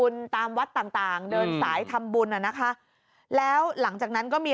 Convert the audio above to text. นะคะแล้วหลังจากนั้นก็มี